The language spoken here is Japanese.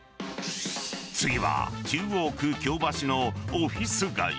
次は、中央区京橋のオフィス街。